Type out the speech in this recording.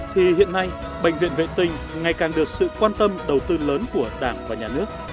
thì hiện nay bệnh viện vệ tinh ngày càng được sự quan tâm đầu tư lớn của đảng và nhà nước